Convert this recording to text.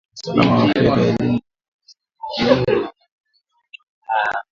usalama fedha elimu miundo mbinu na ushirikiano wa kimataifa